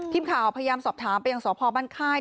ทีมข่าวพยายามสอบถามเป็นอย่างสอบพอบ้านค่าย